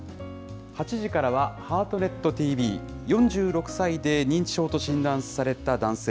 ８時からは、ハートネットＴＶ、４６歳で認知症と診断された男性。